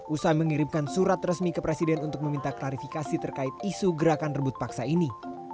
usai mengirimkan surat resmi ke presiden untuk meminta klarifikasi terkait isu gerakan rebut paksa ini